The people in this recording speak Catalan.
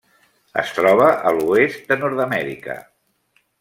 Es troba a l'oest de Nord-amèrica.